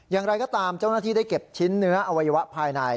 อย่างไรก็ตามเจ้าหน้าที่ได้เก็บชิ้นเนื้ออวัยวะภายใน